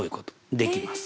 できます。